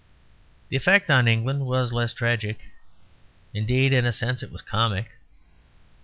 The effect on England was less tragic; indeed, in a sense it was comic.